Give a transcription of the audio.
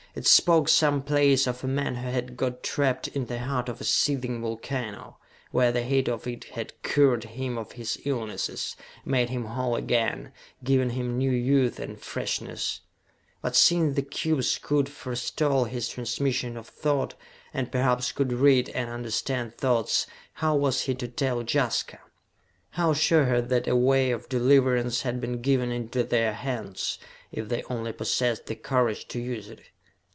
It spoke, someplace, of a man who had got trapped in the heart of a seething volcano, where the heat of it had cured him of his illnesses, made him whole again, given him new youth and freshness. But since the cubes could forestall his transmission of thought, and perhaps could read and understand thoughts, how was he to tell Jaska? How show her that a way of deliverance had been given into their hands, if they only possessed the courage to use it!